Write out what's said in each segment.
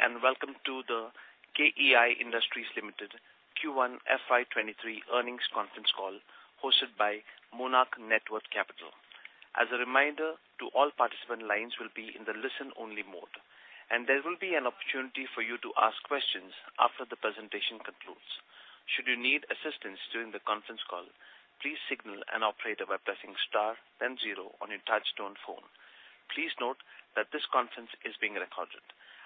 Good day, and welcome to the KEI Industries Limited Q1 FY 2023 Earnings conference Call hosted by Monarch Networth Capital. As a reminder, all participant lines will be in the listen-only mode, and there will be an opportunity for you to ask questions after the presentation concludes. Should you need assistance during the conference call, please signal an operator by pressing star then zero on your touchtone phone. Please note that this conference is being recorded.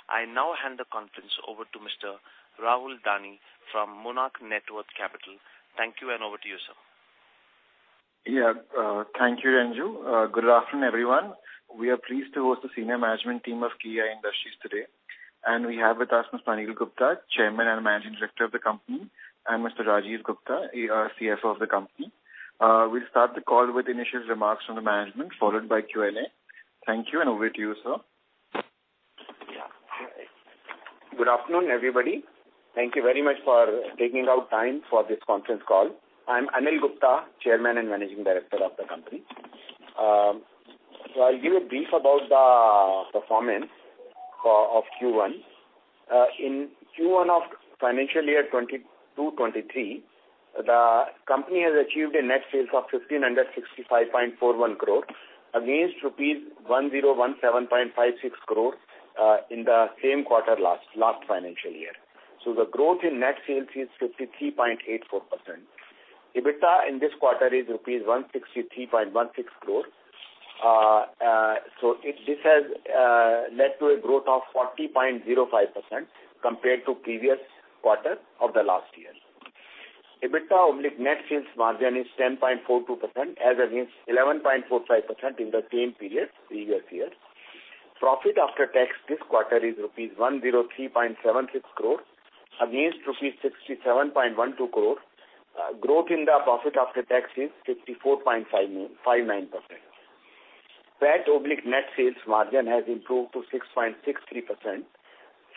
I now hand the conference over to Mr. Rahul Dani from Monarch Networth Capital. Thank you, and over to you, sir. Yeah. Thank you, Anju. Good afternoon, everyone. We are pleased to host the senior management team of KEI Industries today, and we have with us Mr. Anil Gupta, Chairman and Managing Director of the company, and Mr. Rajeev Gupta, our CFO of the company. We'll start the call with initial remarks from the management, followed by Q&A. Thank you, and over to you, sir. Yeah. Good afternoon, everybody. Thank you very much for taking out time for this conference call. I'm Anil Gupta, Chairman and Managing Director of the company. I'll give a brief about the performance of Q1. In Q1 of financial year 2022-2023, the company has achieved a net sales of 1,565.41 crore against rupees 1,017.56 crore in the same quarter last financial year. The growth in net sales is 53.84%. EBITDA in this quarter is rupees 163.16 crore. This has led to a growth of 40.05% compared to previous quarter of the last year. EBITDA/net sales margin is 10.42% as against 11.45% in the same period previous year. Profit after tax this quarter is INR 103.76 crore against INR 67.12 crore. Growth in the profit after tax is 54.59%. PAT/net sales margin has improved to 6.63%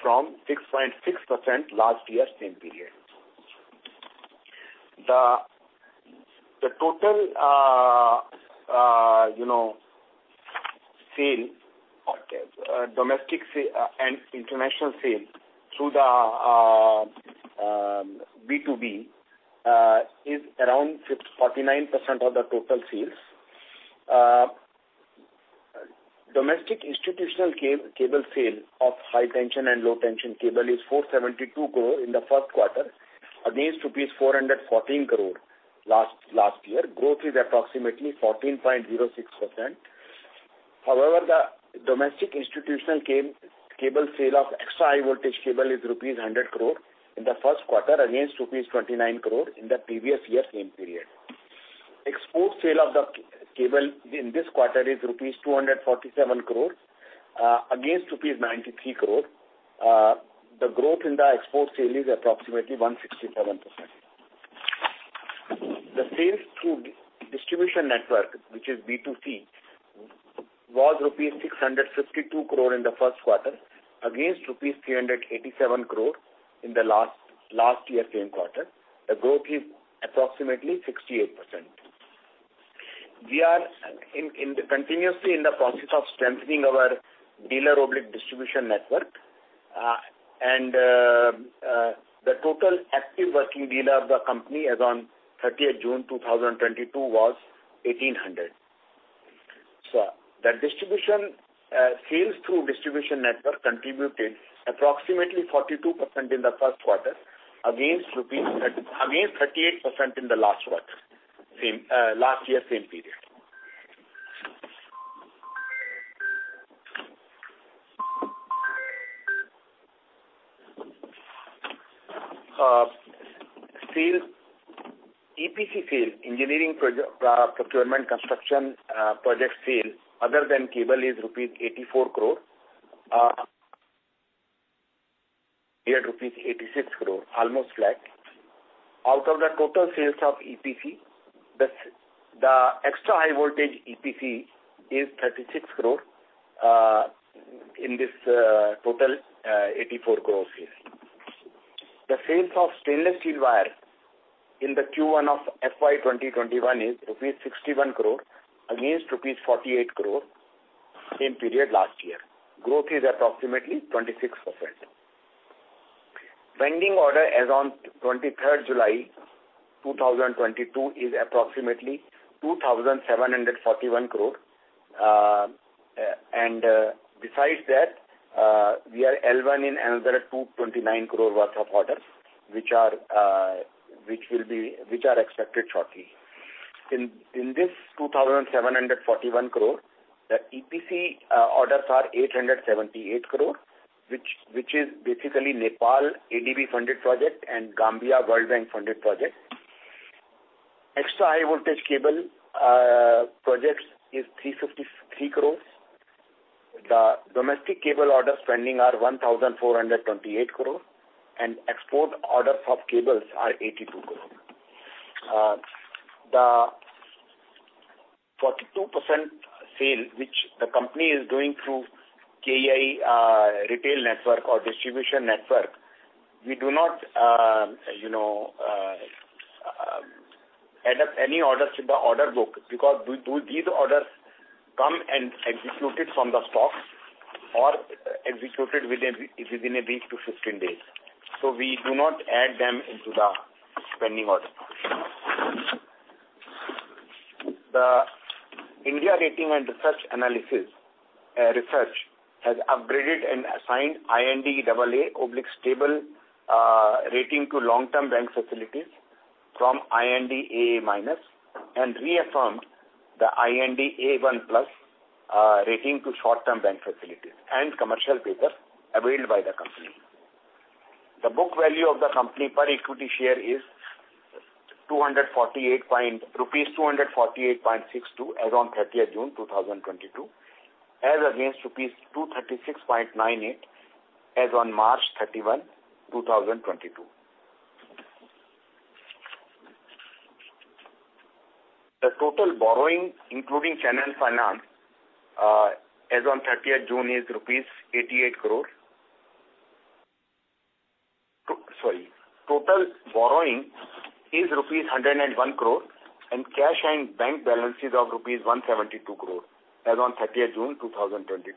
from 6.6% last year same period. The total sale of domestic sales and international sales through the B2B is around 49% of the total sales. Domestic institutional cable sale of high tension and low tension cable is 472 crore in the first quarter against rupees 414 crore last year. Growth is approximately 14.06%. However, the domestic institutional cable sale of extra high voltage cable is 100 crore in the first quarter against 29 crore rupees in the previous year same period. Export sale of the cable in this quarter is rupees 247 crore against rupees 93 crore. The growth in the export sale is approximately 167%. The sales through distribution network, which is B2C, was rupees 652 crore in the first quarter against rupees 387 crore in the last year same quarter. The growth is approximately 68%. We are continuously in the process of strengthening our dealer and distribution network. The total active working dealer of the company as on 30th June 2022 was 1,800. The distribution sales through distribution network contributed approximately 42% in the first quarter against 38% in the last quarter same period last year. EPC sales, engineering procurement construction project sales other than cable is rupees 84 crore. We had rupees 86 crore, almost flat. Out of the total sales of EPC, the extra high voltage EPC is 36 crore in this total 84 crore sales. The sales of stainless steel wire in the Q1 of FY 2021 is rupees 61 crore against rupees 48 crore same period last year. Growth is approximately 26%. Pending order as on 23rd July 2022 is approximately 2,741 crore. Besides that, we are L1 in another 229 crore worth of orders, which are expected shortly. In this 2,741 crore, the EPC orders are 878 crore, which is basically Nepal ADB funded project and Gambia World Bank funded project. Extra high voltage cable projects is 353 crore. The domestic cable orders pending are 1,428 crore, and export orders of cables are 82 crore. The 42% sale which the company is doing through KEI retail network or distribution network, we do not you know add up any orders to the order book because these orders come and executed from the stocks or executed within a week to 15 days. We do not add them into the pending orders. India Ratings and Research has upgraded and assigned IND AA/Stable rating to long-term bank facilities from IND AA- and reaffirmed the IND A1+ rating to short-term bank facilities and commercial paper availed by the company. The book value of the company per equity share is rupees 248.62 as on 30th June 2022, as against rupees 236.98 as on March 31, 2022. The total borrowing, including channel finance, as on 30th June is rupees 88 crore. Sorry. Total borrowing is rupees 101 crore and cash and bank balances of rupees 172 crore as on 30th June 2022,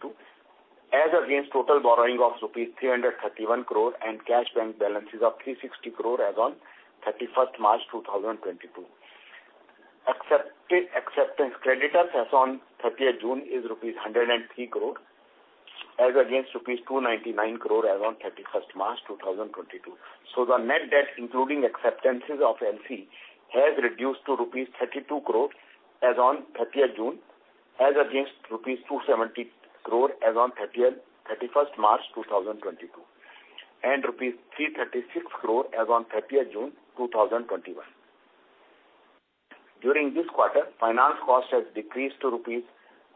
as against total borrowing of rupees 331 crore and cash and bank balances of 360 crore as on 31st March 2022. Acceptance creditors as on 30th June is rupees 103 crore as against rupees 299 crore as on 31st March 2022. The net debt, including acceptances of LC, has reduced to rupees 32 crore as on 30th June, as against rupees 270 crore as on 31st March 2022 and rupees 336 crore as on 30th June 2021. During this quarter, finance cost has decreased to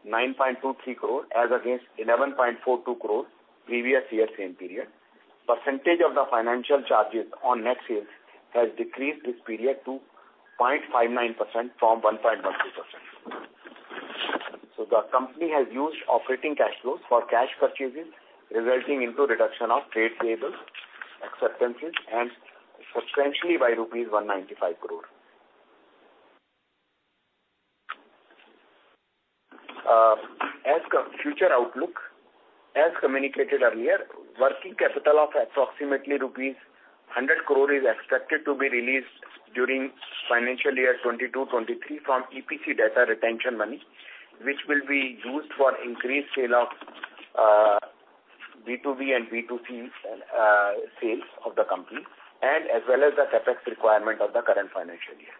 rupees 9.23 crore as against 11.42 crore previous year same period. Percentage of the financial charges on net sales has decreased this period to 0.59% from 1.12%. The company has used operating cash flows for cash purchases, resulting into reduction of trade payables, acceptances, and substantially by INR 195 crore. As for the future outlook, as communicated earlier, working capital of approximately rupees 100 crore is expected to be released during financial year 2022-2023 from EPC data retention money, which will be used for increased B2B and B2C sales of the company, and as well as the CapEx requirement of the current financial year.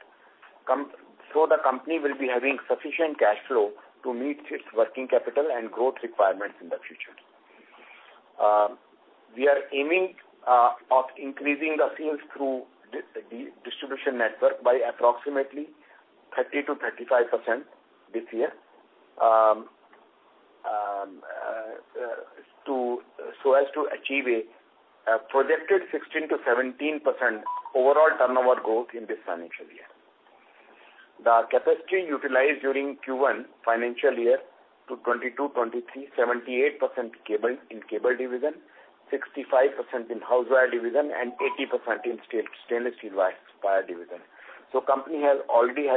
The company will be having sufficient cash flow to meet its working capital and growth requirements in the future. We are aiming to increase the sales through distribution network by approximately 30%-35% this year, so as to achieve a projected 16%-17% overall turnover growth in this financial year. The capacity utilized during Q1 financial year 2022-2023, 78% in cable division, 65% in house wire division, and 80% in stainless steel wire division. The company has already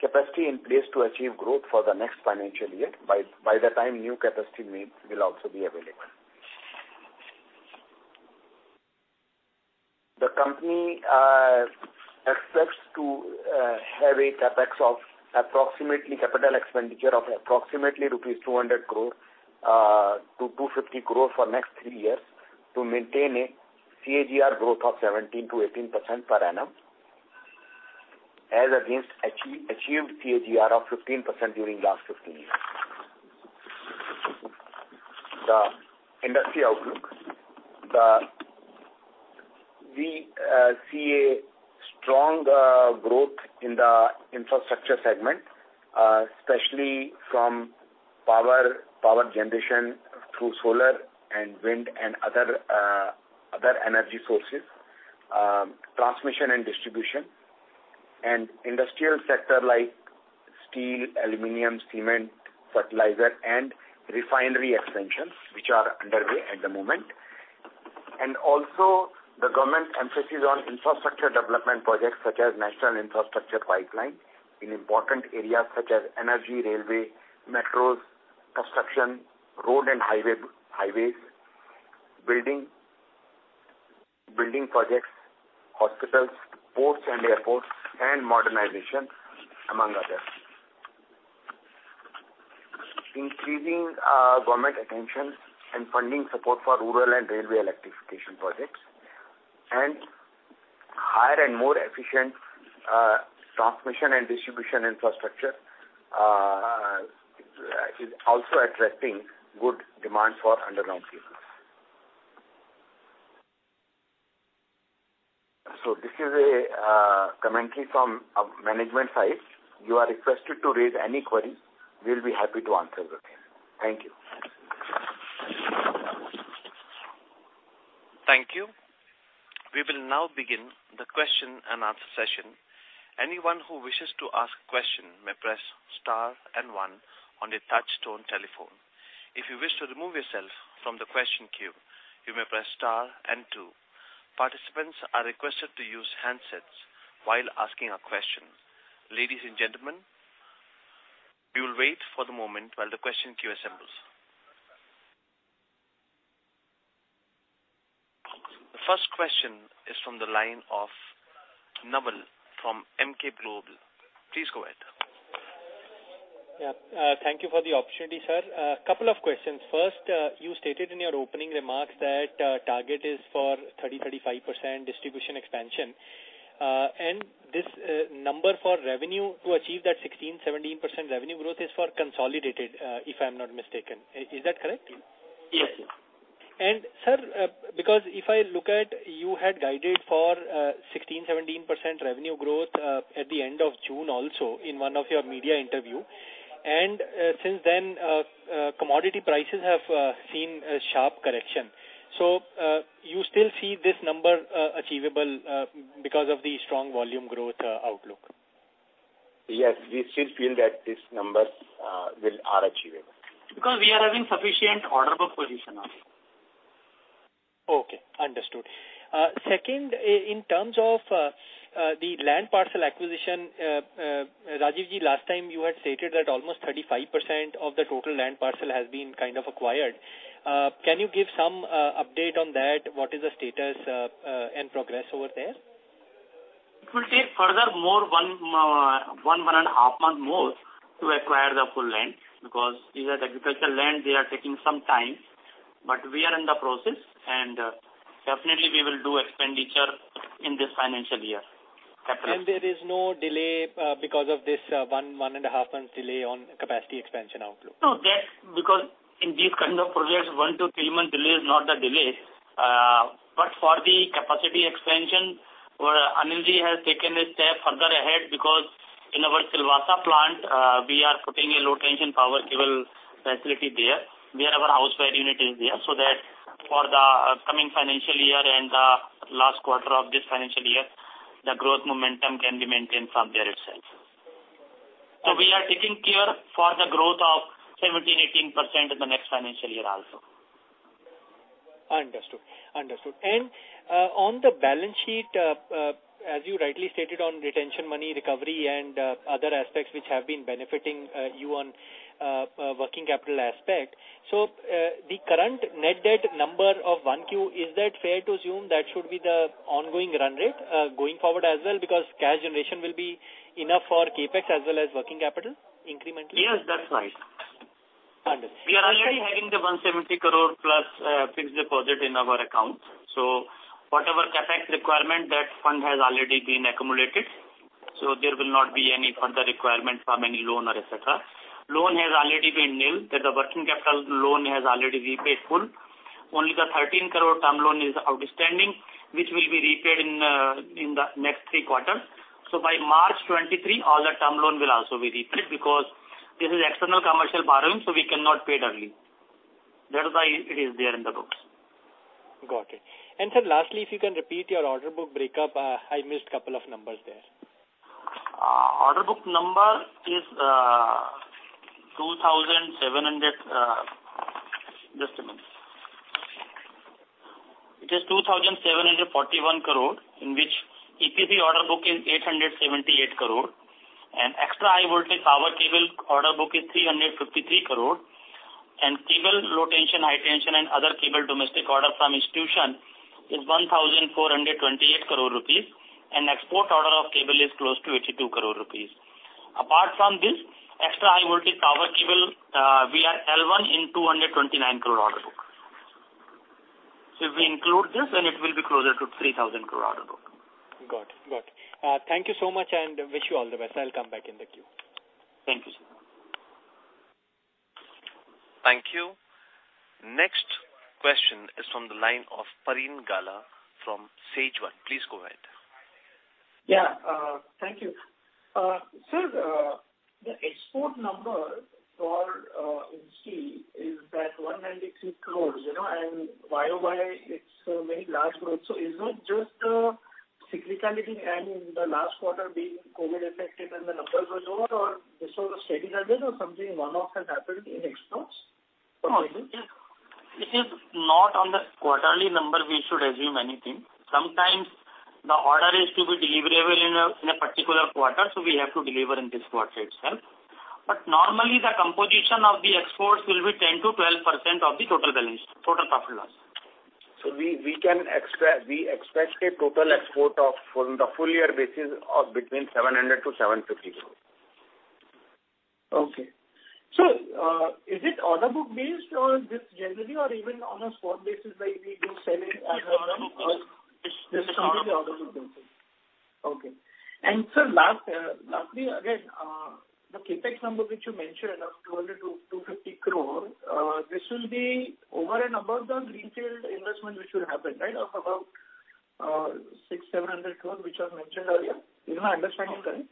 capacity in place to achieve growth for the next financial year by the time new capacity will also be available. The company expects to have a CapEx of approximately capital expenditure of approximately rupees 200 crore to 250 crore for next three years to maintain a CAGR growth of 17%-18% per annum as against achieved CAGR of 15% during last 15 years. The industry outlook. We see a strong growth in the infrastructure segment, especially from power generation through solar and wind and other energy sources, transmission and distribution and industrial sector like steel, aluminum, cement, fertilizer and refinery expansions which are underway at the moment. The government's emphasis on infrastructure development projects such as National Infrastructure Pipeline in important areas such as energy, railway, metros, construction, road and highways, building projects, hospitals, ports and airports and modernization, among others. Increasing government attention and funding support for rural and railway electrification projects and higher and more efficient transmission and distribution infrastructure is also attracting good demand for underground cables. This is a commentary from management side. You are requested to raise any queries. We'll be happy to answer those. Thank you. Thank you. We will now begin the question and answer session. Anyone who wishes to ask a question may press star and one on your touchtone telephone. If you wish to remove yourself from the question queue, you may press star and two. Participants are requested to use handsets while asking a question. Ladies and gentlemen, we will wait for the moment while the question queue assembles. The first question is from the line of Naval from Emkay Global. Please go ahead. Yeah, thank you for the opportunity, sir. Couple of questions. First, you stated in your opening remarks that target is for 30%-35% distribution expansion. This number for revenue to achieve that 16%-17% revenue growth is for consolidated, if I'm not mistaken. Is that correct? Yes. Sir, because if I look at you had guided for 16%-17% revenue growth at the end of June also in one of your media interview, and since then commodity prices have seen a sharp correction. You still see this number achievable because of the strong volume growth outlook? Yes, we still feel that these numbers are achievable. Because we are having sufficient order book position now. Okay, understood. Second, in terms of the land parcel acquisition, Rajeevji, last time you had stated that almost 35% of the total land parcel has been kind of acquired. Can you give some update on that? What is the status and progress over there? It will take further more one month and half month more to acquire the full land because these are the agricultural land. They are taking some time, but we are in the process and definitely we will do expenditure in this financial year. There is no delay because of this one and a half months delay on capacity expansion outlook. No, that's because in these kind of projects, 1-3 months delay is not the delay. But for the capacity expansion, Anilji has taken a step further ahead because in our Silvassa plant, we are putting a low tension power cable facility there, where our house wire unit is there, so that for the upcoming financial year and the last quarter of this financial year, the growth momentum can be maintained from there itself. We are taking care for the growth of 17%-18% in the next financial year also. Understood. On the balance sheet, as you rightly stated on retention money recovery and other aspects which have been benefiting you on working capital aspect. The current net debt number of 1Q, is that fair to assume that should be the ongoing run rate going forward as well because cash generation will be enough for CapEx as well as working capital incrementally? Yes, that's right. Understood. We are already having the 170 crore+ fixed deposit in our account. Whatever CapEx requirement, that fund has already been accumulated. There will not be any further requirement from any loan or et cetera. The loan has already been availed. The working capital loan has already been repaid in full. Only the 13 crore term loan is outstanding, which will be repaid in the next three quarters. By March 2023, all the term loan will also be repaid because this is external commercial borrowing, so we cannot pay it early. That is why it is there in the books. Got it. Sir, lastly, if you can repeat your order book breakup, I missed a couple of numbers there. Order book number is 2,741 crore, in which EPC order book is 878 crore and extra high voltage power cable order book is 353 crore and cable, low tension, high tension and other cable domestic order from institution is 1,428 crore rupees and export order of cable is close to 82 crore rupees. Apart from this, extra high voltage power cable, we are L1 in 229 crore order book. If we include this, then it will be closer to 3,000 crore order book. Got it. Thank you so much and wish you all the best. I'll come back in the queue. Thank you, sir. Thank you. Next question is from the line of Parin Gala from Sage One. Please go ahead. Thank you. Sir, the export number for [Q3] is 193 crores, you know, and YoY it's a very large growth. Is it just cyclicality and in the last quarter being COVID affected and the numbers were lower or this was a steady target or something one-off has happened in exports? We should not assume anything on the quarterly number. Sometimes the order is to be deliverable in a particular quarter, so we have to deliver in this quarter itself. Normally the composition of the exports will be 10%-12% of the total business, total profit and loss. We expect a total export from the full year basis of between 700 crore-750 crore. Okay. Is it order book based or this generally or even on a spot basis, like we do sell it as a This is order book based. Okay. Sir, last, lastly, again, the CapEx number which you mentioned of 200-250 crore, this will be over and above the retail investment which will happen, right? Of about 600-700 crore which was mentioned earlier. Is my understanding correct?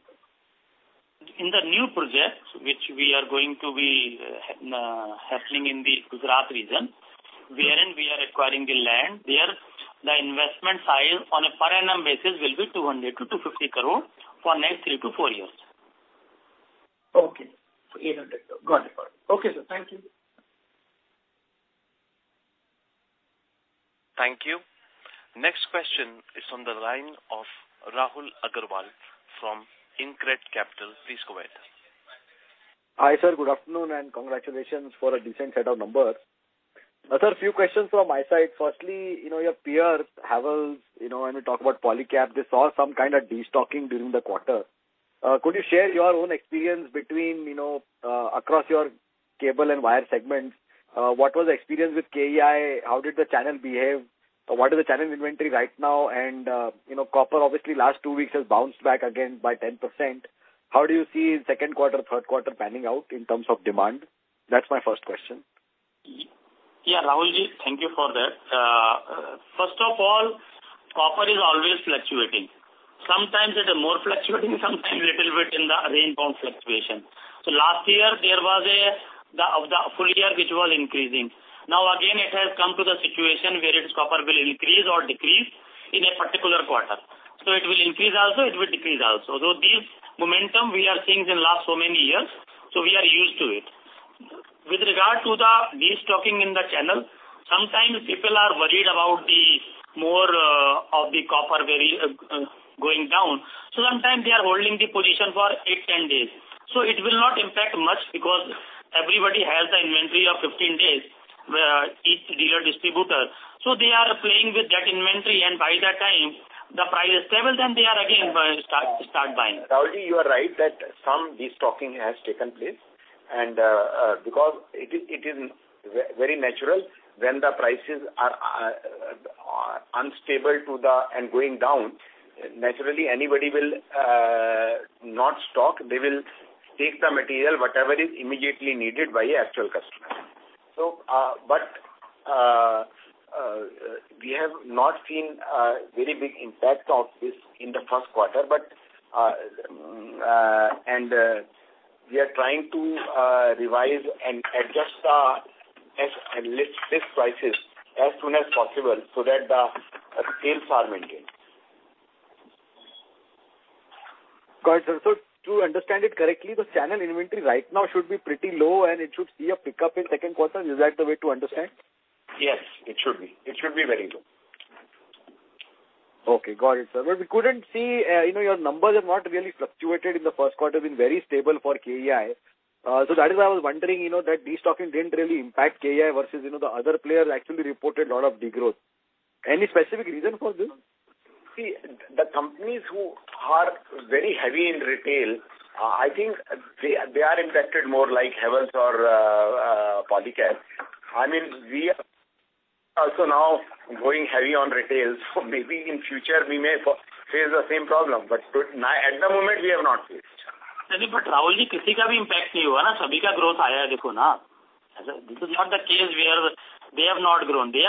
In the new project happening in the Gujarat region, wherein we are acquiring the land, there the investment size on a per annum basis will be 200 crore-250 crore for next three to four years. Okay. INR 800 crore. Got it. Okay, sir. Thank you. Thank you. Next question is on the line of Rahul Agarwal from InCred Capital. Please go ahead. Hi, sir. Good afternoon, and congratulations for a decent set of numbers. Sir, few questions from my side. Firstly, you know, your peers, Havells, you know, when we talk about Polycab, they saw some kind of destocking during the quarter. Could you share your own experience between, you know, across your cable and wire segments? What was the experience with KEI? How did the channel behave? What is the channel inventory right now? And, you know, copper obviously last two weeks has bounced back again by 10%. How do you see second quarter, third quarter panning out in terms of demand? That's my first question. Yeah, Rahulji, thank you for that. First of all, copper is always fluctuating. Sometimes it is more fluctuating, sometimes little bit in the range-bound fluctuation. Last year there was the full year which was increasing. Now again it has come to the situation where the copper will increase or decrease in a particular quarter. It will increase also, it will decrease also. This momentum we are seeing in last so many years, we are used to it. With regard to the destocking in the channel, sometimes people are worried about the price of the copper very going down. Sometimes they are holding the position for eight, 10 days. It will not impact much because everybody has the inventory of 15 days each dealer distributor. They are playing with that inventory, and by that time the price is stable. They are again start buying. Rahulji, you are right that some destocking has taken place and because it is very natural when the prices are unstable and going down, naturally anybody will not stock. They will take the material, whatever is immediately needed by an actual customer. But we have not seen a very big impact of this in the first quarter, and we are trying to revise and adjust our list prices as soon as possible so that the sales are maintained. Got it. To understand it correctly, the channel inventory right now should be pretty low and it should see a pickup in second quarter. Is that the way to understand? Yes, it should be. It should be very low. Okay, got it, sir. We couldn't see, you know, your numbers have not really fluctuated in the first quarter, been very stable for KEI. That is why I was wondering, you know, that destocking didn't really impact KEI versus, you know, the other players actually reported lot of degrowth. Any specific reason for this? See, the companies who are very heavy in retail, I think they are impacted more like Havells or Polycab. I mean, we are also now going heavy on retail, so maybe in future we may face the same problem. Now, at the moment we have not faced. Rahulji, they have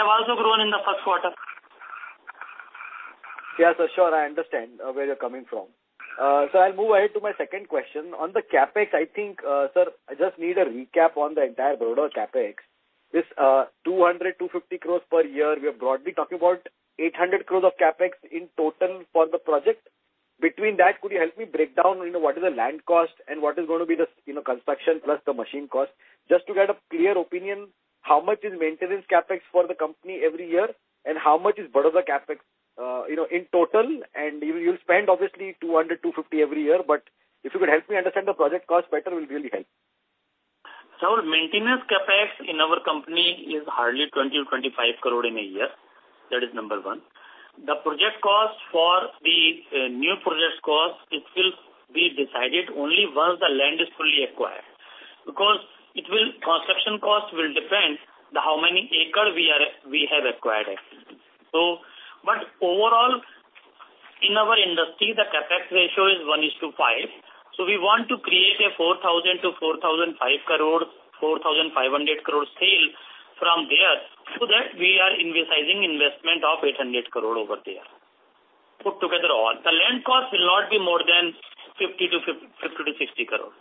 also grown in the first quarter. Yes, for sure I undersatnd where you're coming from. So I'll move ahead to my second question, on the CapEx, sir, I just need a recap on the entire Baroda CapEx this 200-250 crores per year we have broadly talking about 800 crores in CapEx in total for the project between that could you help me break down into what is the land cost and what is going to be the construction plus the machine cost just to get a clear opinion how much is maintenance CapEx for the company every year and how much is Baroda CapEx in total and you spend obviously 200, 250 every year but, if you could help me understand the project cost better will really help. So, our maintenance CapEx in our company is hardly 20 or 25 crore in a year that is number one. The Project cost for the new project costs it will be decided only once the land is fully acquired, because construction cost will depend on how many acre we have acquired. But overall, in our industry the CapEx ration is 1:5 so we want to create a 4,000-4,005 crore, 4,500 crore sale from there. So, that we are in resizing investment of 800 crore over there. Put together all, the land cost will not be mre than 50-INR60 crore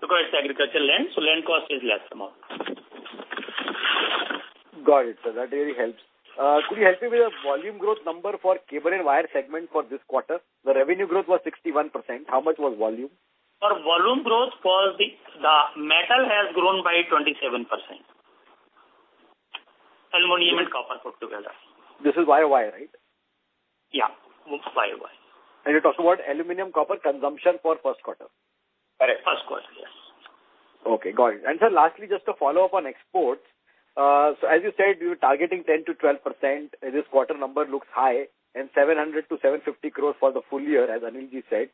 because it's agricultural land so land cost is less amount. Got it, sir, that really helps. Sir, could you help with volume growth number for cable and wire segment for this quarter, the revenge growth was 61%, how much was volume? Volume growth for the, the mental has grown by 27%. Aluminum and copper put together. This is YoY, right? Yes, it's YoY. And you are talking about aluminum copper consumption for first quarter? Correct. First quarter yes. Okay, got it. Lastly, just a follow up on exports. As you said you are targeting 10% to 12% and this quarter number looks high and 700-INR750 crore for the full year as Anil said,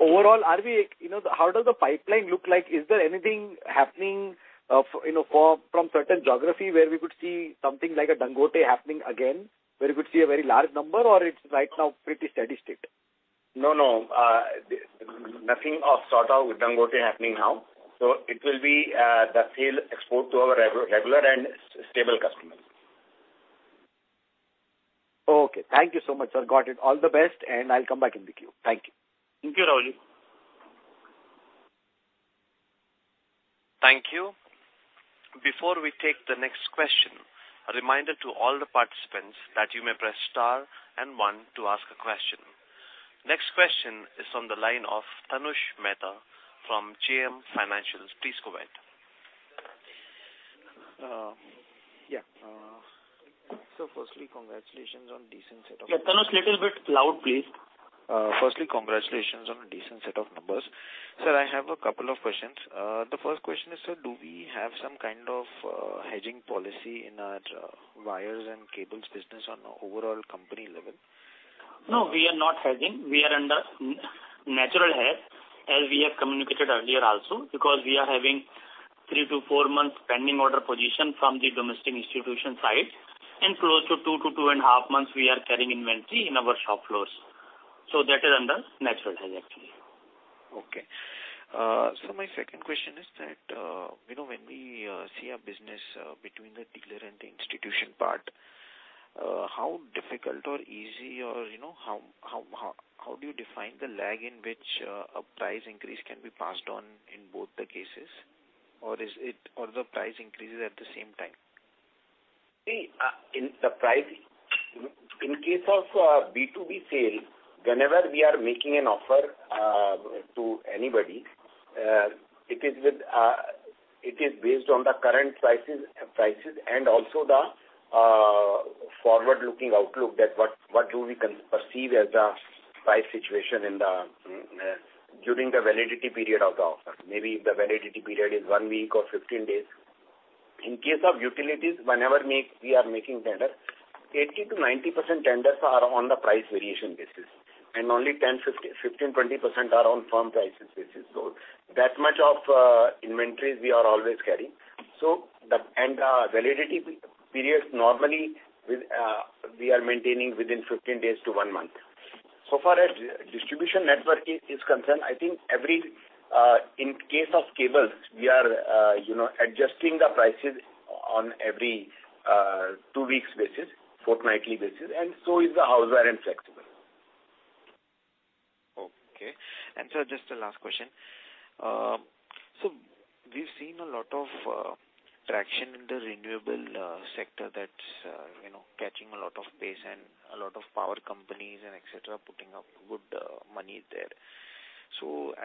overall. How does the pipeline look like, is there anything happening for certain geography where we would see something like a Dangote happening again, where you could see a very large number or it's right now pretty steady state? No, no. Nothing of the sort of Dangote happening now. It will be the sales export to our regular and stable customers. Okay, thank you so much, sir. Got it. All the best, and I'll come back in the queue. Thank you. Thank you, Rahul. Thank you. Before we take the next question, a reminder to all the participants that you may press star and one to ask a question. Next question is on the line of Tanush Mehta from JM Financial. Please go ahead. Firstly, congratulations on decent set of- Yeah, Tanush, little bit loud, please. Firstly, congratulations on a decent set of numbers. Sir, I have a couple of questions. The first question is, sir, do we have some kind of hedging policy in our wires and cables business on a overall company level? No, we are not hedging. We are under natural hedge, as we have communicated earlier also, because we are having three to four months pending order position from the domestic institution side, and close to two to two and a half months we are carrying inventory in our shop floors. That is under natural hedge actually. Okay. My second question is that, you know, when we see a business between the dealer and the institution part, how difficult or easy or, you know, how do you define the lag in which a price increase can be passed on in both the cases? Or the price increases at the same time? See, in the price, in case of B2B sale, whenever we are making an offer to anybody, it is based on the current prices and also the forward-looking outlook that what do we perceive as the price situation during the validity period of the offer. Maybe the validity period is one week or 15 days. In case of utilities, whenever we are making tender, 80%-90% tenders are on the price variation basis, and only 10%, 15%, 20% are on firm prices basis. That much of inventories we are always carrying. Validity periods normally we are maintaining within 15 days to one month. As far as distribution network is concerned, I think in case of cables, we are, you know, adjusting the prices on every two weeks basis, fortnightly basis, and so is the hardware and flexible. Okay. Sir, just a last question. We've seen a lot of traction in the renewable sector that's you know catching a lot of pace and a lot of power companies and et cetera putting up good money there.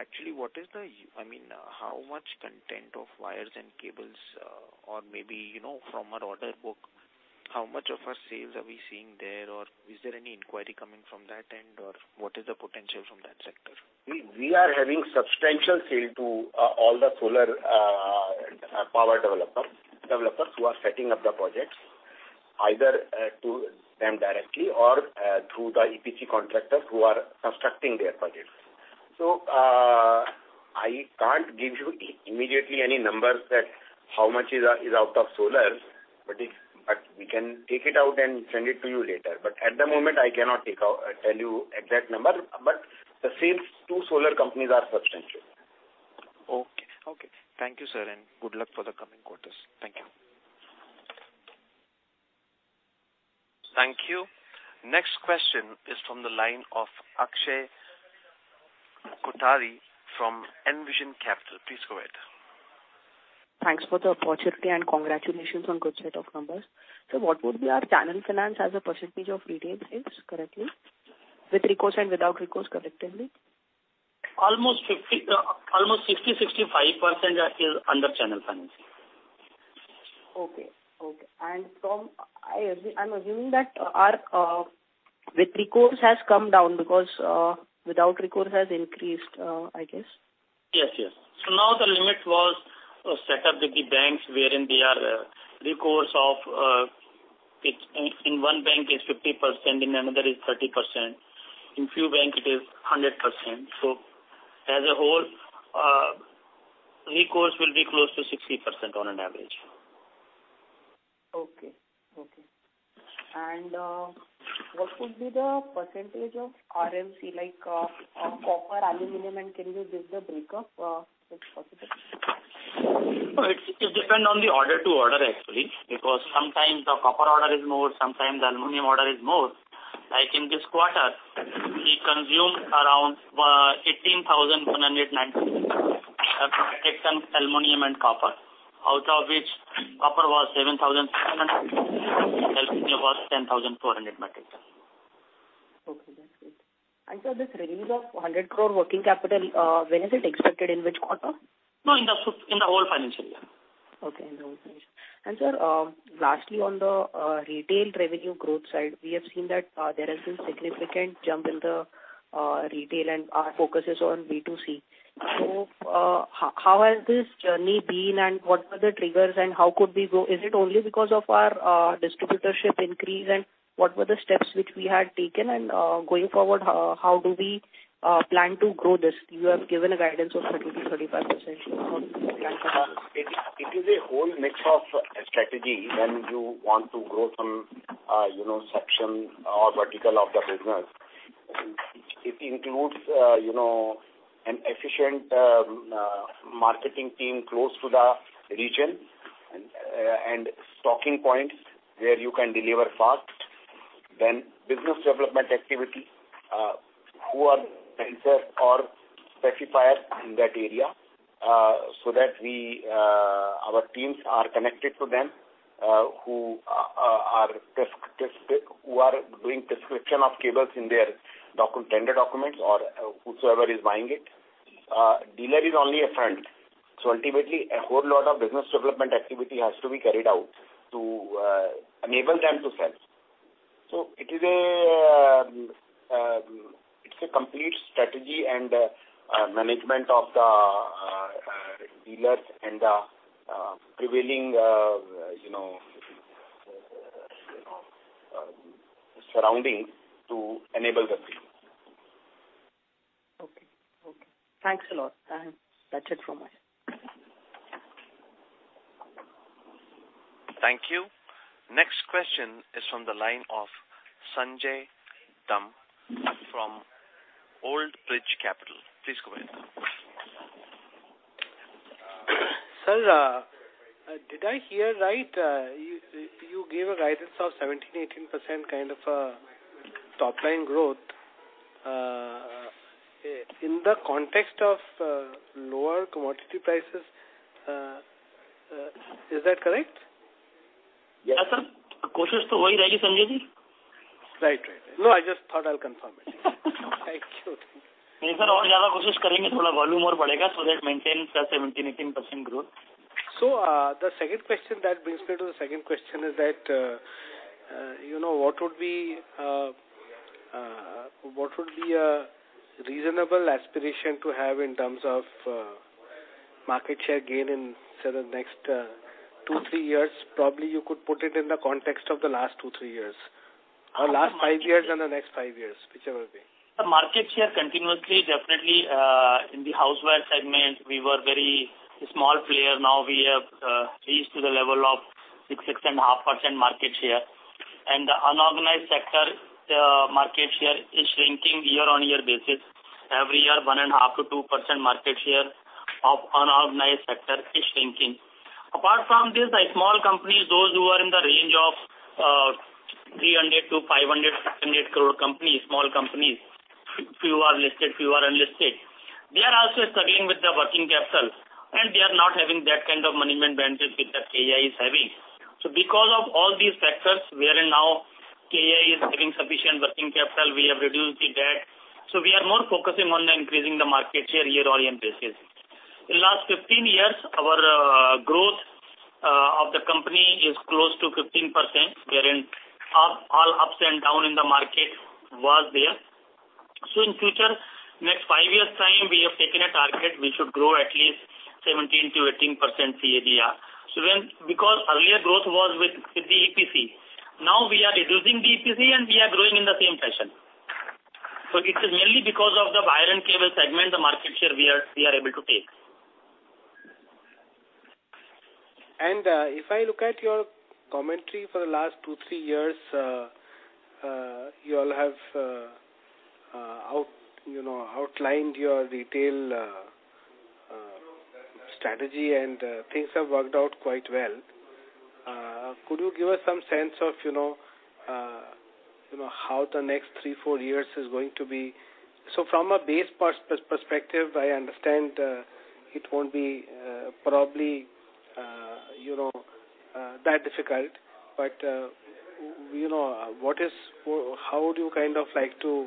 Actually, I mean, how much quantum of wires and cables, or maybe you know from our order book, how much of our sales are we seeing there, or is there any inquiry coming from that end, or what is the potential from that sector? We are having substantial sales to all the solar power developers who are setting up the projects, either to them directly or through the EPC contractors who are constructing their projects. I can't give you immediately any numbers that how much is out of solar, but we can take it out and send it to you later. At the moment, I cannot take out, tell you exact number, but the sales to solar companies are substantial. Okay. Thank you, sir, and good luck for the coming quarters. Thank you. Thank you. Next question is from the line of Akshay Kothari from Envision Capital. Please go ahead. Thanks for the opportunity, and congratulations on good set of numbers. What would be our channel finance as a percentage of retail sales currently, with recourse and without recourse collectively? Almost 65% is under channel finance. I'm assuming that our with recourse has come down because without recourse has increased, I guess. Yes, yes. Now the limit was set up with the banks wherein they are recourse of it's in in one bank is 50%, in another is 30%. In a few banks it is 100%. As a whole, recourse will be close to 60% on average. Okay. What would be the percentage of RMC, like, copper, aluminum, and can you give the breakup, if possible? No, it depends on the order to order actually, because sometimes the copper order is more, sometimes the aluminum order is more. Like in this quarter, we consumed around 18,109 metric tons aluminum and copper. Out of which copper was 7,600, aluminum was 10,400 metric tons. Okay, that's great. Sir, this release of 100 crore working capital, when is it expected, in which quarter? No, in the whole financial year. Sir, lastly on the retail revenue growth side, we have seen that there has been significant jump in the retail and our focus is on B2C. How has this journey been and what were the triggers and how could we grow? Is it only because of our distributorship increase and what were the steps which we had taken? Going forward, how do we plan to grow this? You have given a guidance of 30%-35%. How do you plan to- It is a whole mix of strategy when you want to grow some, you know, section or vertical of the business. It includes, you know, an efficient marketing team close to the region and stocking points where you can deliver fast. Then business development activity, who are the anchor or specifier in that area, so that we, our teams are connected to them, who are doing specification of cables in their tender documents or whosoever is buying it. Dealer is only a front. Ultimately a whole lot of business development activity has to be carried out to enable them to sell. It is a complete strategy and management of the dealers and the prevailing surrounding to enable the team. Okay. Thanks a lot. That's it from my end. Thank you. Next question is from the line of Sanjay Dam from Old Bridge Capital. Please go ahead. Sir, did I hear right? You gave a guidance of 17%-18% kind of top line growth in the context of lower commodity prices. Is that correct? Yes, sir. Right. No, I just thought I'll confirm it. Thank you. That maintain the 17%-18% growth. The second question is that, you know, what would be a reasonable aspiration to have in terms of market share gain in say the next two, three years? Probably you could put it in the context of the last two, three years. Last five years and the next five years, whichever way. The market share continuously, definitely, in the houseware segment we were very small player. Now we have reached to the level of 6% to 6.5% market share. The unorganized sector market share is shrinking year-on-year basis. Every year, 1.5%-2% market share of unorganized sector is shrinking. Apart from this, the small companies, those who are in the range of 300-500 crore companies, small companies, few are listed, few are unlisted. They are also struggling with the working capital, and they are not having that kind of management bandwidth which the KEI is having. Because of all these factors, wherein now KEI is having sufficient working capital, we have reduced the debt. We are more focusing on increasing the market share year-on-year basis. In last 15 years, our growth of the company is close to 15%, wherein all ups and downs in the market was there. In future, next five years time, we have taken a target, we should grow at least 17%-18% CAGR. Because earlier growth was with the EPC. Now we are reducing the EPC and we are growing in the same fashion. It is mainly because of the wire and cable segment, the market share we are able to take. If I look at your commentary for the last two, three years, you all have, you know, outlined your retail strategy and things have worked out quite well. Could you give us some sense of, you know, how the next three, four years is going to be? From a base perspective, I understand it won't be, probably, you know, that difficult. How would you kind of like to,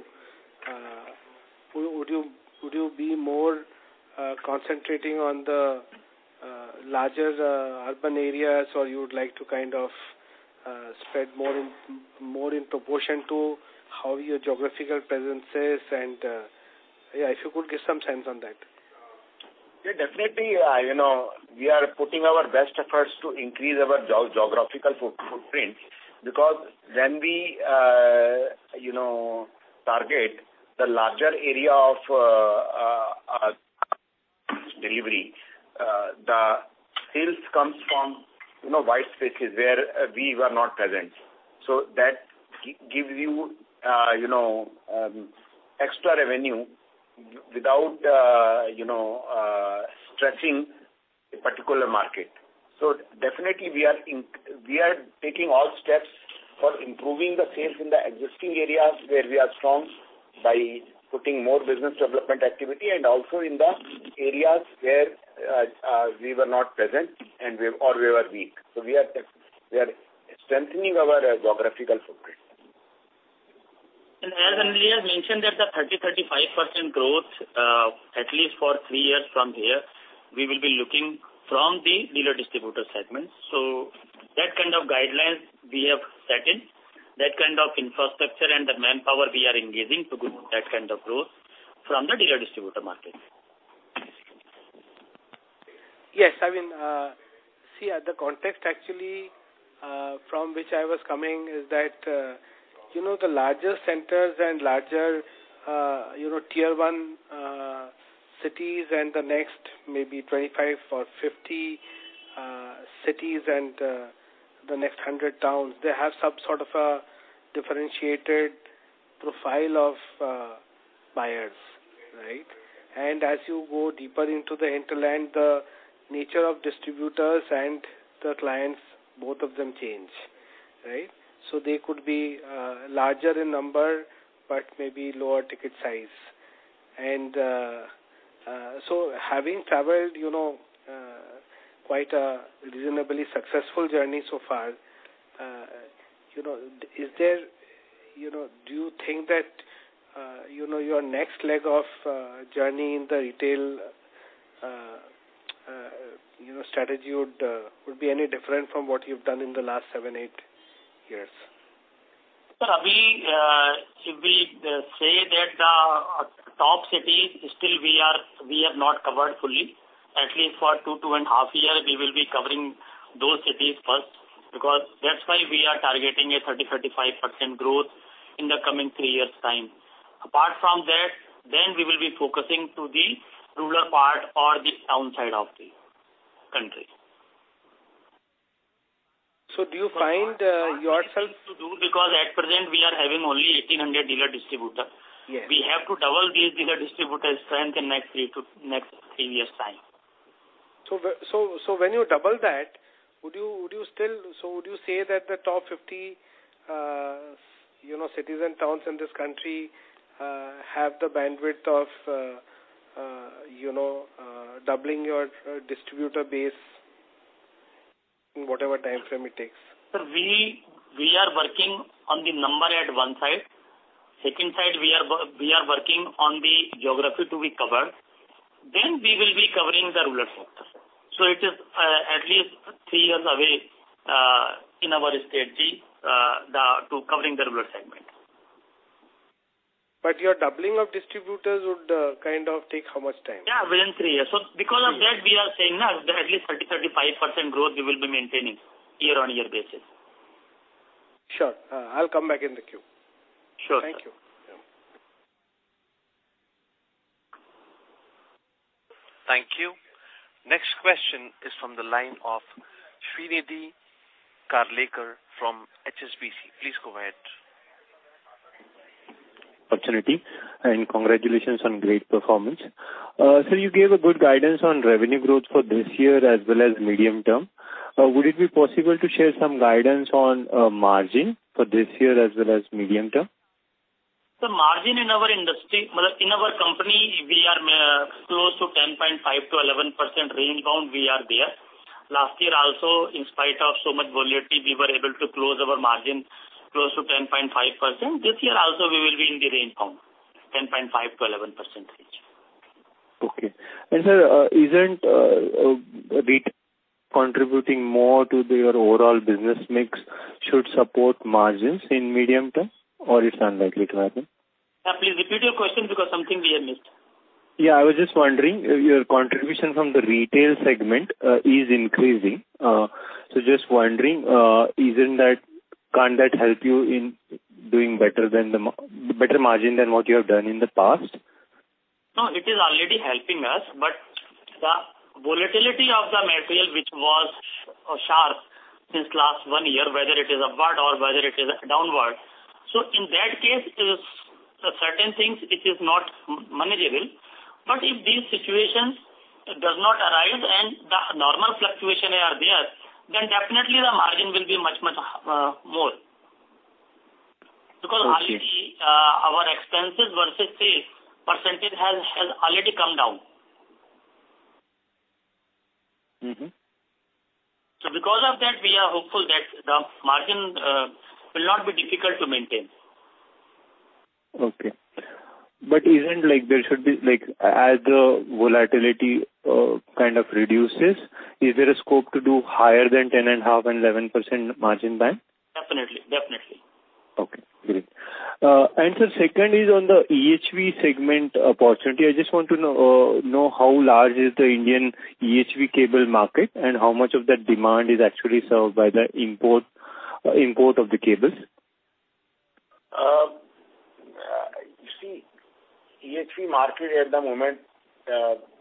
would you be more concentrating on the larger urban areas, or you would like to kind of spread more in proportion to how your geographical presence is? Yeah, if you could give some sense on that. Yeah, definitely, we are putting our best efforts to increase our geographical footprint. Because when we target the larger area of delivery, the sales comes from, you know, wide spaces where we were not present. That gives you know, extra revenue without stretching a particular market. Definitely we are taking all steps for improving the sales in the existing areas where we are strong by putting more business development activity and also in the areas where we were not present or we were weak. We are strengthening our geographical footprint. As Anil mentioned that the 30%-35% growth, at least for three years from here, we will be looking from the dealer distributor segment. That kind of guidelines we have set in, that kind of infrastructure and the manpower we are engaging to grow that kind of growth from the dealer distributor market. Yes. I mean, see, the context actually from which I was coming is that, you know, the larger centers and larger, you know, tier one cities and the next maybe 25 or 50 cities and the next 100 towns, they have some sort of a differentiated profile of buyers, right? As you go deeper into the hinterland, the nature of distributors and the clients, both of them change, right? They could be larger in number, but maybe lower ticket size. Having traveled, you know, quite a reasonably successful journey so far, you know, is there, you know. Do you think that, you know, your next leg of journey in the retail strategy would be any different from what you've done in the last seven, eight years? Sir, if we say that top cities still we have not covered fully, at least for two and a half years, we will be covering those cities first because that's why we are targeting a 30%-35% growth in the coming three years time. Apart from that, we will be focusing on the rural part or the town side of the country. Do you find yourself? Because at present we are having only 1,800 dealer distributor. Yes. We have to double these dealer distributors strength in next three years' time. When you double that, would you still say that the top 50, you know, cities and towns in this country have the bandwidth of, you know, doubling your distributor base in whatever timeframe it takes? Sir, we are working on the number at one side. Second side, we are working on the geography to be covered. Then we will be covering the rural sector. It is at least three years away in our strategy to covering the rural segment. Your doubling of distributors would kind of take how much time? Yeah, within three years. Because of that we are saying that at least 30%-35% growth we will be maintaining year-on-year basis. Sure. I'll come back in the queue. Sure, sir. Thank you. Yeah. Thank you. Next question is from the line of Shrinidhi Karlekar from HSBC. Please go ahead. Opportunity, and congratulations on great performance. You gave a good guidance on revenue growth for this year as well as medium term. Would it be possible to share some guidance on margin for this year as well as medium term? The margin in our industry, in our company, we are close to 10.5%-11% range-bound we are there. Last year also, in spite of so much volatility, we were able to close our margin close to 10.5%. This year also we will be in the range-bound, 10.5%-11% range. Okay. Sir, isn't retail contributing more to your overall business mix should support margins in medium term or it's unlikely to happen? Please repeat your question because something we have missed. Yeah, I was just wondering, your contribution from the retail segment is increasing. Just wondering, can that help you in doing better margin than what you have done in the past? No, it is already helping us, but the volatility of the material which was sharp since last one year, whether it is upward or whether it is downward. In that case, certain things it is not manageable. If these situations does not arise and the normal fluctuation are there, then definitely the margin will be much more. Okay. Because already, our expenses versus sales percentage has already come down. Mm-hmm. Because of that we are hopeful that the margin will not be difficult to maintain. Okay. Isn't like there should be like, as the volatility kind of reduces, is there a scope to do higher than 10.5% and 11% margin band? Definitely. Okay, great. Sir, second is on the EHV segment opportunity. I just want to know how large is the Indian EHV cable market and how much of that demand is actually served by the import of the cables? You see EHV market at the moment,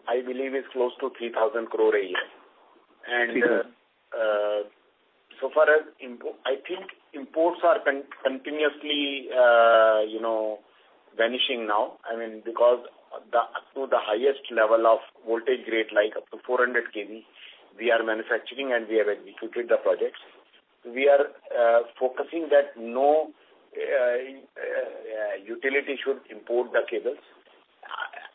I believe is close to 3,000 crore a year. Okay. So far as import, I think imports are continuously, you know, vanishing now. I mean, because up to the highest level of voltage grade, like up to 400 KV, we are manufacturing and we have executed the projects. We are focusing that no utility should import the cables.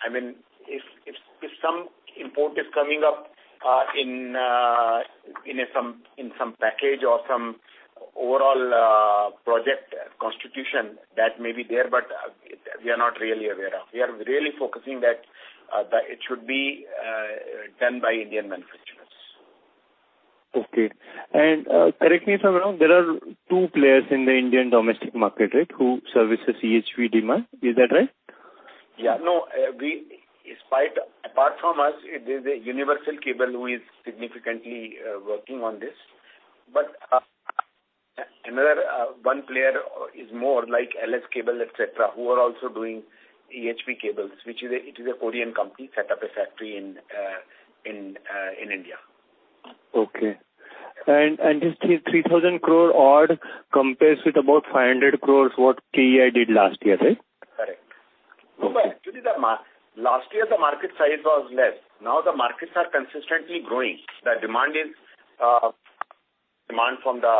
I mean, if some import is coming up, in some package or some overall project construction that may be there, but we are not really aware of. We are really focusing that it should be done by Indian manufacturers. Okay. Correct me if I'm wrong, there are two players in the Indian domestic market, right, who services EHV demand. Is that right? No, apart from us, there's a Universal Cables Limited who is significantly working on this. But Another one player is more like LS Cable, etc., who are also doing EHV cables, which is a Korean company set up a factory in India. This 3,000 crore odd compares with about 500 crores what KEI did last year, right? Correct. Okay. Actually, last year, the market size was less. Now the markets are consistently growing. The demand is from the,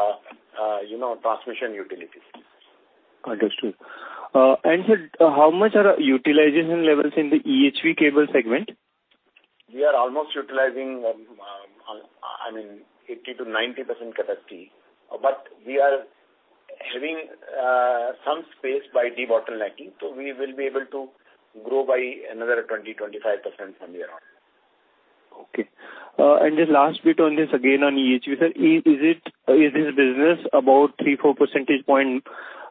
you know, transmission utilities. Understood. Sir, how much are utilization levels in the EHV cable segment? We are almost utilizing, I mean, 80%-90% capacity, but we are having some space by debottlenecking, so we will be able to grow by another 20%-25% from here on. Okay. The last bit on this again on EHV, sir. Is this business about 3-4 percentage points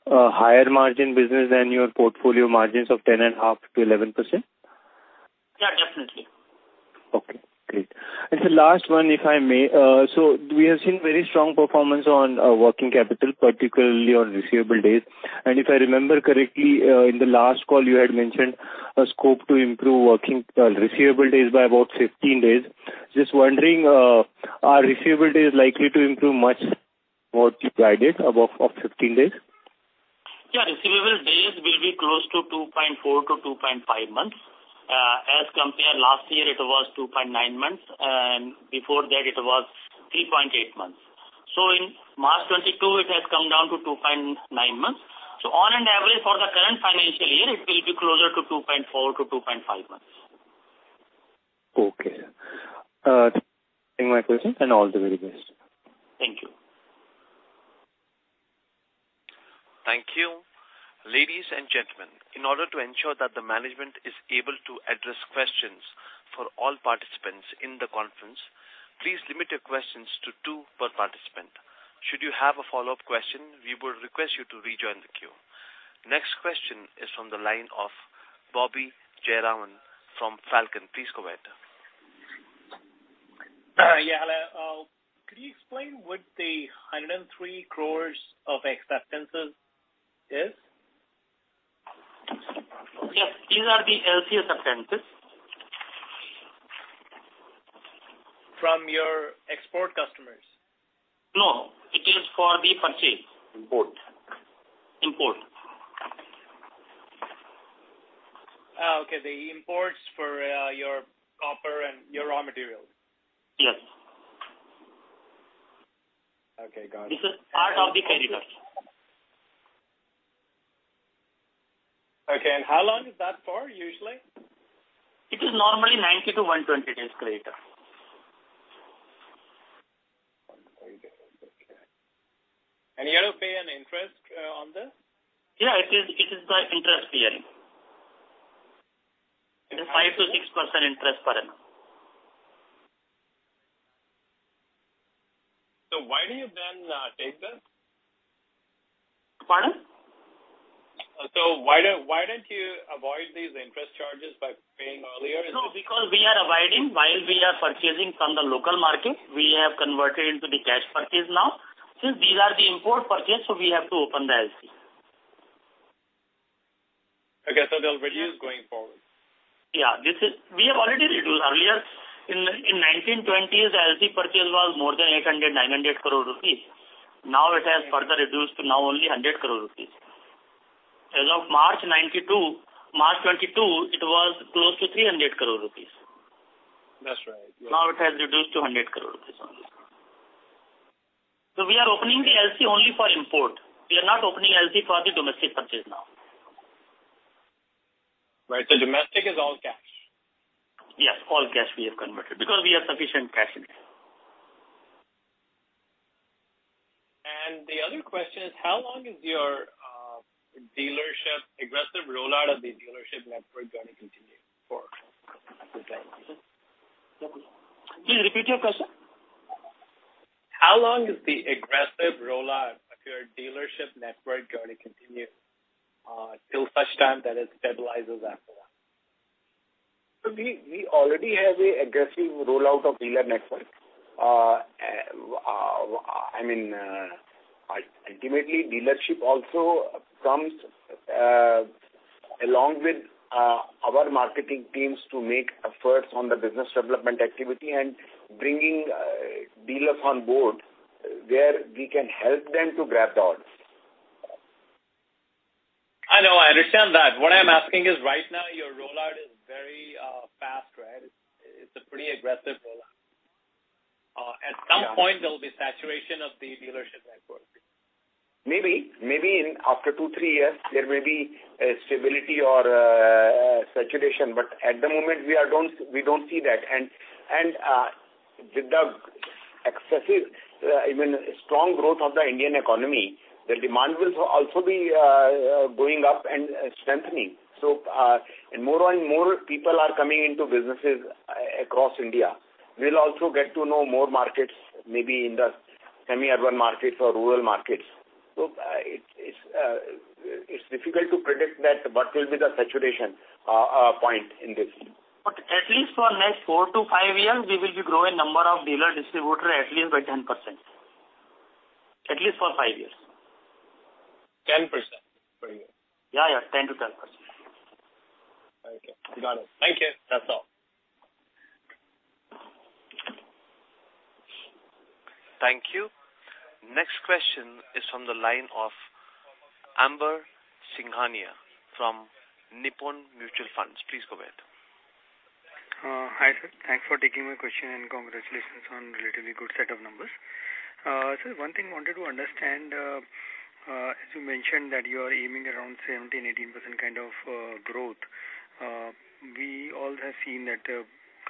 higher margin business than your portfolio margins of 10.5%-11%? Yeah, definitely. Okay, great. The last one, if I may. We have seen very strong performance on working capital, particularly on receivable days. If I remember correctly, in the last call you had mentioned a scope to improve working receivable days by about 15 days. Just wondering, are receivable days likely to improve much more than you provided above of 15 days? Yeah. Receivable days will be close to 2.4-2.5 months. As compared last year it was 2.9 months, and before that it was 3.8 months. In March 2022, it has come down to 2.9 months. On an average for the current financial year, it will be closer to 2.4-2.5 months. Okay. That's my question, and all the very best. Thank you. Thank you. Ladies and gentlemen, in order to ensure that the management is able to address questions for all participants in the conference, please limit your questions to two per participant. Should you have a follow-up question, we would request you to rejoin the queue. Next question is from the line of Bobby Jayaraman from Falcon. Please go ahead. Yeah. Hello. Could you explain what the 103 crores of acceptances is? Yes. These are the LC acceptances. From your export customers? No, it is for the purchase. Import. Import. Okay. The imports for your copper and your raw material. Yes. Okay, got it. This is part of the creditors. Okay. How long is that for usually? It is normally 90-120 days credit. You have to pay an interest on this? Yeah, it is by interest bearing. It is 5%-6% interest per annum. Why do you then take this? Pardon? Why don't you avoid these interest charges by paying earlier? No, because we are avoiding while we are purchasing from the local market. We have converted into the cash purchase now. Since these are the import purchase, so we have to open the LC. Okay. They'll reduce going forward. We have already reduced earlier. In 2019-2020 the LC purchase was more than 800-900 crore rupees. Now it has further reduced to now only 100 crore rupees. As of March 2022, it was close to 300 crore rupees. That's right. Now it has reduced to 100 crore rupees only. We are opening the LC only for import. We are not opening LC for the domestic purchase now. Right. Domestic is all cash. Yes, all cash we have converted because we have sufficient cash in hand. The other question is how long is your dealership aggressive rollout of the dealership network gonna continue for? Please repeat your question. How long is the aggressive rollout of your dealership network gonna continue, till such time that it stabilizes after that? We already have an aggressive rollout of dealer network. I mean, ultimately dealership also comes along with our marketing teams to make efforts on the business development activity and bringing dealers on board where we can help them to grab the orders. I know. I understand that. What I'm asking is right now your rollout is very fast, right? It's a pretty aggressive rollout. At some point there will be saturation of the dealership network. Maybe. Maybe after two, three years there may be a stability or saturation. At the moment we don't see that. With the, I mean, strong growth of the Indian economy, the demand will also be going up and strengthening. More and more people are coming into businesses across India. We'll also get to know more markets, maybe in the semi-urban markets or rural markets. It's difficult to predict that, what will be the saturation point in this. At least for next four to five years we will be growing number of dealer distributor at least by 10%. At least for five years. 10%? Okay, got it. Thank you. That's all. Thank you. Next question is from the line of Amber Singhania from Nippon Mutual Fund. Please go ahead. Hi, sir. Thanks for taking my question, and congratulations on relatively good set of numbers. One thing I wanted to understand, as you mentioned that you are aiming around 17%-18% kind of growth. We all have seen that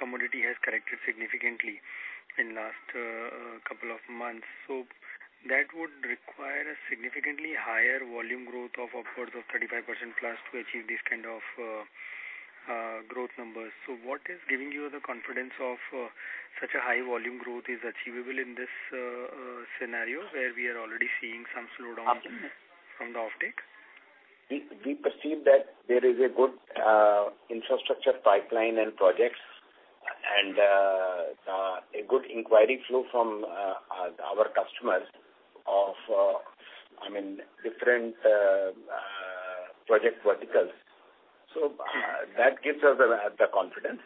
commodity has corrected significantly in last couple of months. That would require a significantly higher volume growth of upwards of 35% plus to achieve this kind of growth numbers. What is giving you the confidence of such a high volume growth is achievable in this scenario where we are already seeing some slowdown from the offtake? We perceive that there is a good infrastructure pipeline and projects and a good inquiry flow from our customers of I mean different project verticals. That gives us the confidence.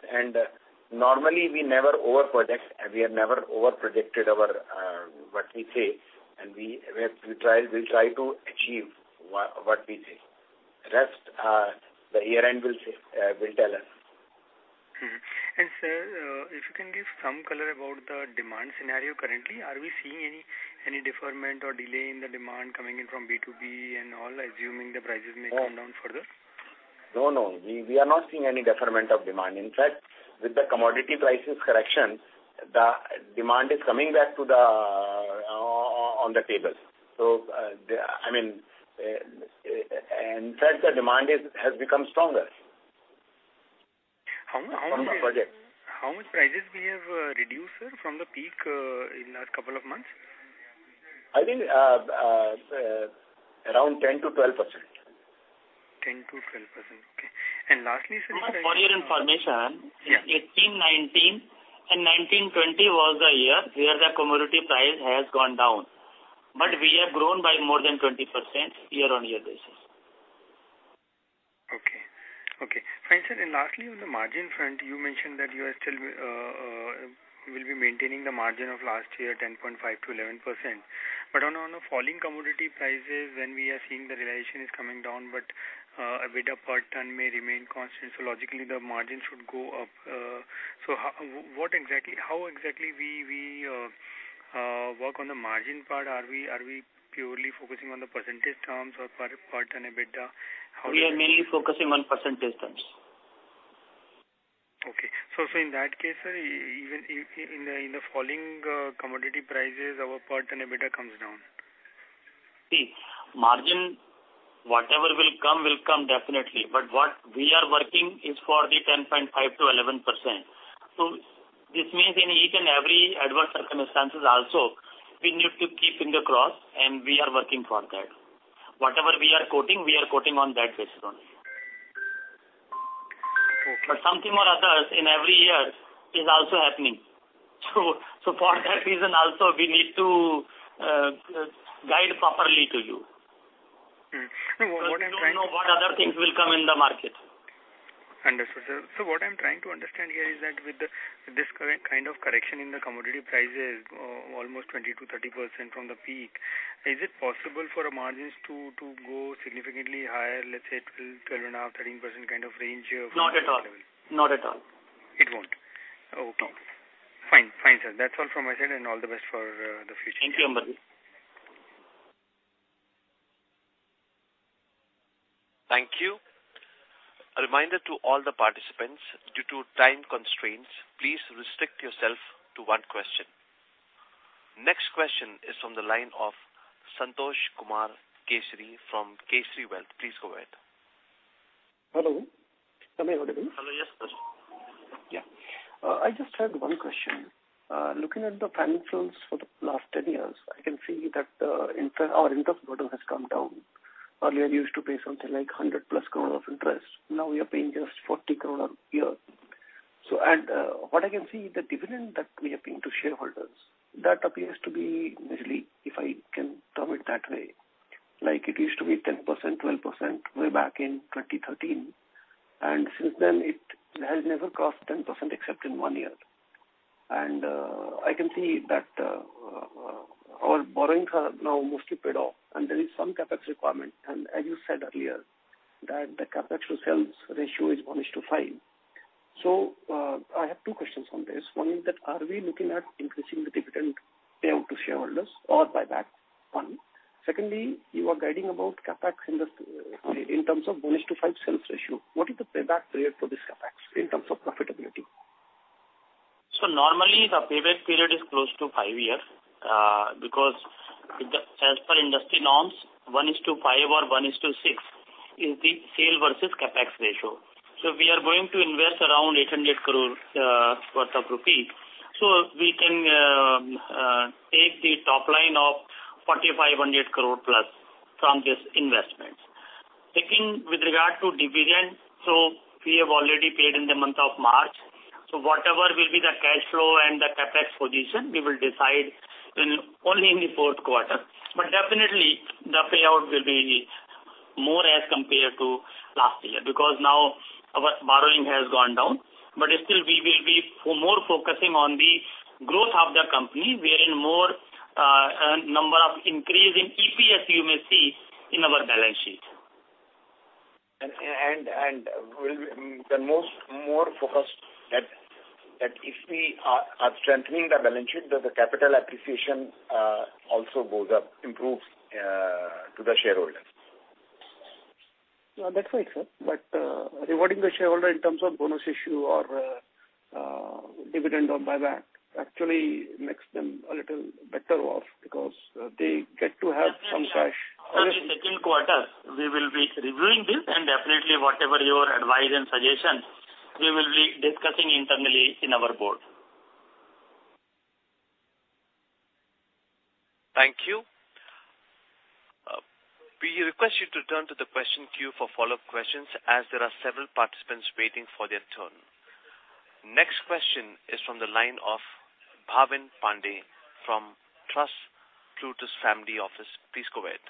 Normally we never over-predict, and we have never over-predicted our what we say. We try to achieve what we say. Rest the year-end will tell us. Mm-hmm. Sir, if you can give some color about the demand scenario currently. Are we seeing any deferment or delay in the demand coming in from B2B and all, assuming the prices may come down further? No, no. We are not seeing any deferment of demand. In fact, with the commodity prices correction, the demand is coming back on the table. I mean, and in fact the demand has become stronger. How much? On the project. How much prices we have reduced, sir, from the peak in the couple of months? I think, around 10%-12%. 10%-12%. Okay. Lastly, sir- For your information. Yeah. 2018-2019 and 2019-2020 was the year where the commodity price has gone down, but we have grown by more than 20% year-over-year basis. Okay. Fine, sir. Lastly, on the margin front, you mentioned that you are still will be maintaining the margin of last year, 10.5%-11%. But on a falling commodity prices when we are seeing the realization is coming down, but EBITDA per ton may remain constant, so logically the margin should go up. So how, what exactly, how exactly we work on the margin part? Are we purely focusing on the percentage terms or per ton EBITDA? How- We are mainly focusing on percentage terms. In that case, sir, even in the falling commodity prices, our per ton EBITDA comes down. See, margin, whatever will come, will come definitely. What we are working is for the 10.5%-11%. This means in each and every adverse circumstances also, we need to keep fingers crossed, and we are working for that. Whatever we are quoting, we are quoting on that basis only. Okay. Something or others in every year is also happening. So for that reason also we need to guide properly to you. What I'm trying- Because we don't know what other things will come in the market. Understood, sir. What I'm trying to understand here is that with this current kind of correction in the commodity prices, almost 20%-30% from the peak, is it possible for our margins to go significantly higher, let's say 12.5, 13% kind of range here? Not at all. Not at all. It won't. No. Okay. Fine. Fine, sir. That's all from my side, and all the best for the future. Thank you, Amber. Thank you. A reminder to all the participants, due to time constraints, please restrict yourself to one question. Next question is from the line of [Santosh Kumar Keshri] from Keshri Wealth. Please go ahead. Hello. Am I audible? Hello. Yes. I just had one question. Looking at the financials for the last 10 years, I can see that our interest burden has come down. Earlier you used to pay something like 100+ crore of interest. Now you are paying just 40 crore a year. What I can see, the dividend that we are paying to shareholders, that appears to be nearly, if I can term it that way, like it used to be 10%, 12% way back in 2013. Since then it has never crossed 10% except in one year. I can see that our borrowings are now mostly paid off and there is some CapEx requirement. As you said earlier, the CapEx to sales ratio is 1:5. I have two questions on this. One is that are we looking at increasing the dividend payout to shareholders or buyback? One. Secondly, you are guiding about CapEx in the, in terms of 1:5 sales ratio. What is the payback period for this CapEx in terms of profitability? Normally the payback period is close to five year, because as per industry norms, 1:5 or 1:6 is the sales versus CapEx ratio. We are going to invest around 800 crore worth of rupees. We can take the top line of 4,500 crore+ from this investment. Second, with regard to dividend, we have already paid in the month of March. Whatever will be the cash flow and the CapEx position, we will decide in, only in the fourth quarter. Definitely the payout will be more as compared to last year, because now our borrowing has gone down. Still we will be more focusing on the growth of the company, wherein more, number of increase in EPS you may see in our balance sheet. We will be more focused that if we are strengthening the balance sheet, that the capital appreciation also goes up, improves to the shareholders. No, that's right, sir. Rewarding the shareholder in terms of bonus issue or dividend or buyback actually makes them a little better off because they get to have some cash. In the second quarter, we will be reviewing this and definitely whatever your advice and suggestions we will be discussing internally in our board. Thank you. We request you to return to the question queue for follow-up questions as there are several participants waiting for their turn. Next question is from the line of Bhavin Pande from Trust Plutus Family Office. Please go ahead.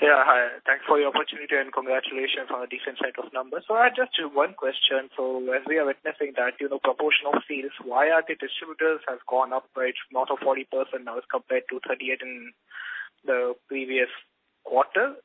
Yeah, hi. Thanks for your opportunity and congratulations on a decent set of numbers. I just have one question. As we are witnessing that, you know, proportion of sales, why are the distributors has gone up by north of 40% now as compared to 38% in the previous quarter?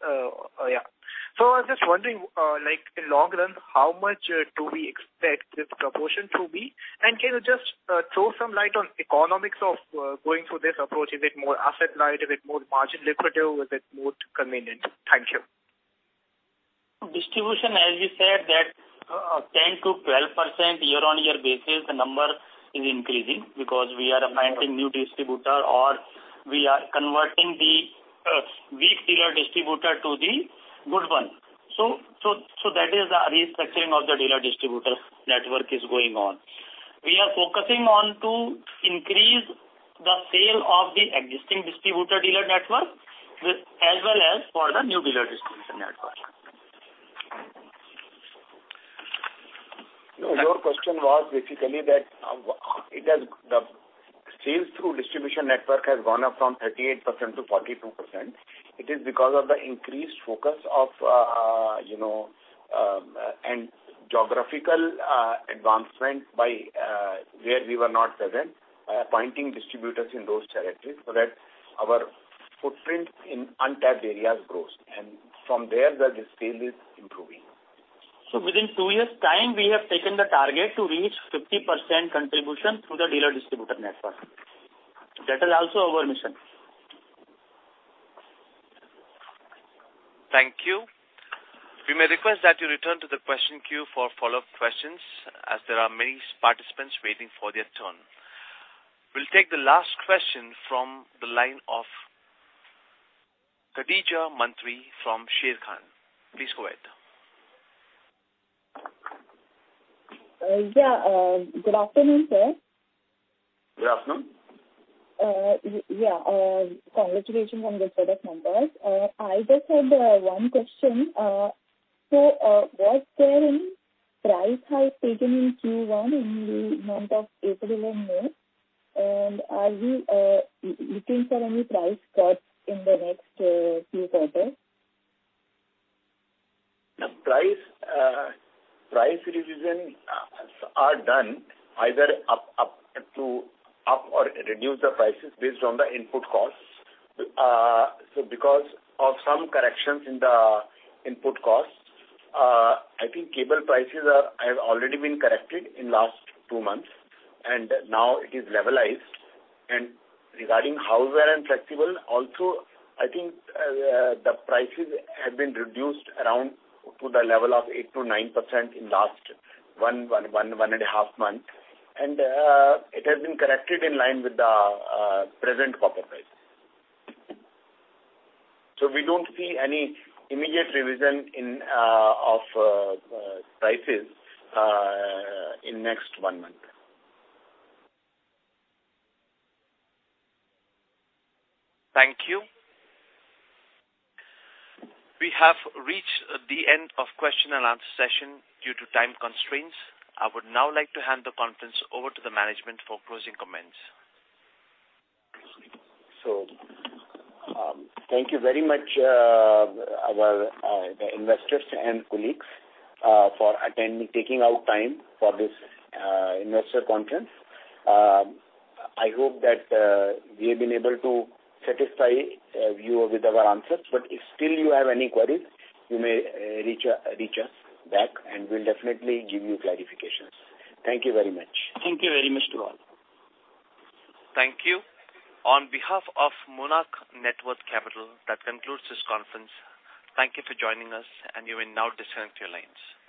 I'm just wondering, like in long run, how much do we expect this proportion to be? And can you just, throw some light on economics of, going through this approach. Is it more asset light? Is it more margin lucrative? Is it more convenient? Thank you. Distribution, as you said that, 10%-12% year-on-year basis the number is increasing because we are appointing new distributor or we are converting the weak dealer distributor to the good one. So that is the restructuring of the dealer distributor network is going on. We are focusing on to increase the sale of the existing distributor dealer network with as well as for the new dealer distribution network. No, your question was basically that, it has the sales through distribution network has gone up from 38% to 42%. It is because of the increased focus of and geographical advancement by where we were not present appointing distributors in those territories so that our footprint in untapped areas grows. From there the scale is improving. Within two years' time we have taken the target to reach 50% contribution through the dealer distributor network. That is also our mission. Thank you. We may request that you return to the question queue for follow-up questions as there are many participants waiting for their turn. We'll take the last question from the line of Khadija Mantri from Sharekhan. Please go ahead. Yeah, good afternoon, sir. Good afternoon. Yeah, congratulations on the set of numbers. I just have one question. What's the price hike taken in Q1 in the month of April and May? Are we looking for any price cuts in the next few quarters? The price revision is done either up or reduce the prices based on the input costs. Because of some corrections in the input costs, I think cable prices have already been corrected in last two months, and now it is levelized. Regarding house wire and flexible also, I think the prices have been reduced by around 8%-9% in last one and a half month. It has been corrected in line with the present copper price. We don't see any immediate revision of prices in next one month. Thank you. We have reached the end of question and answer session due to time constraints. I would now like to hand the conference over to the management for closing comments. Thank you very much, the investors and colleagues, for attending, taking out time for this investor conference. I hope that we have been able to satisfy you with our answers. If still you have any queries, you may reach us back, and we'll definitely give you clarifications. Thank you very much. Thank you very much to all. Thank you. On behalf of Monarch Networth Capital, that concludes this conference. Thank you for joining us, and you will now disconnect your lines.